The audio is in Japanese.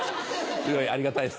すごいありがたいです